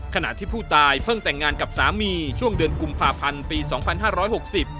ขณะที่ผู้ตายเพิ่งแต่งงานกับสามีช่วงเดือนกุมภาพันธ์ปี๒๕๖๐